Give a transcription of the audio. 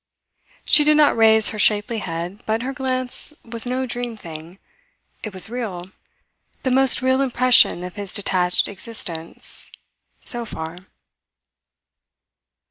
She did not raise her shapely head, but her glance was no dream thing. It was real, the most real impression of his detached existence so far.